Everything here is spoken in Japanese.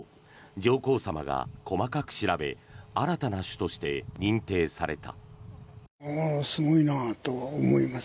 上皇さまが細かく調べ新たな種として認定された。